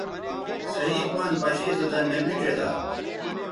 صحیح پان پشے سو دَن نبی ڇیدا